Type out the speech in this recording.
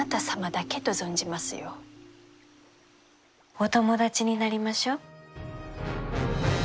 お友達になりましょう。